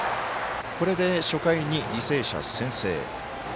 これで初回に履正社先制。